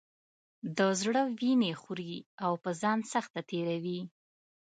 د زړه وینې خوري او په ځان سخته تېروي.